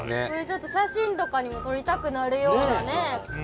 これちょっと写真とかにも撮りたくなるようなね。